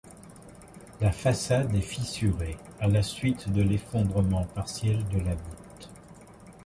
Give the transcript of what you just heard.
La façade est fissurée, à la suite de l'effondrement partiel de la voûte.